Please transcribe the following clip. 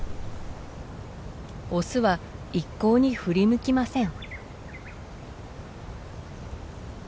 オスは一向に振り向きません。